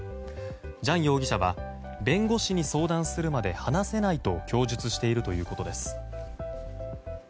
ジャン容疑者は弁護士に相談するまで話せないと供述しているということです。